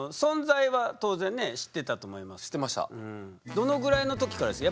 どのぐらいの時からですか？